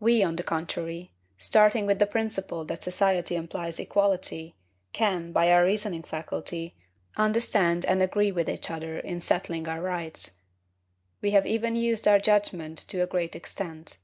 We, on the contrary, starting with the principle that society implies equality, can, by our reasoning faculty, understand and agree with each other in settling our rights; we have even used our judgment to a great extent.